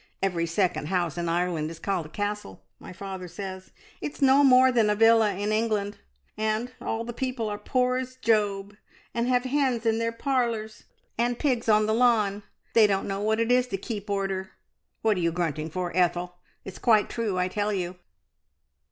Every second house in Ireland is called a castle, my father says. It's no more than a villa in England, and all the people are as poor as Job, and have hens in their parlours and pigs on the lawn. They don't know what it is to keep order. What are you grunting for, Ethel? It's quite true, I tell you!"